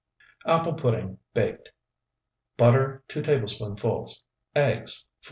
APPLE PUDDING (BAKED) Butter, 2 tablespoonfuls. Eggs, 4.